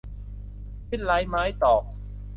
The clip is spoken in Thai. สิ้นไร้ไม้ตอก